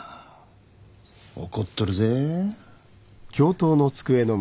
怒っとるぜ。